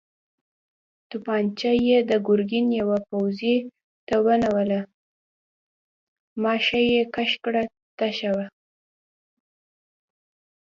توپانجه يې د ګرګين يوه پوځي ته ونيوله، ماشه يې کش کړه، تشه وه.